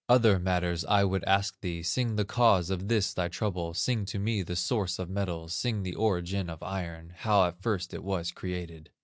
Other matters I would ask thee; Sing the cause of this thy trouble, Sing to me the source of metals, Sing the origin of iron, How at first it was created."